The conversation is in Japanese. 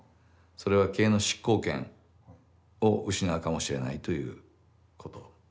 それは経営の執行権を失うかもしれないということ。